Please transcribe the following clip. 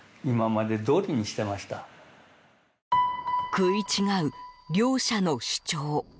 食い違う、両者の主張。